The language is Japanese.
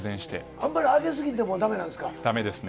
あんまり上げ過ぎてもだめなだめですね。